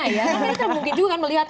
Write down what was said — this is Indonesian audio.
karena kita mungkin juga melihat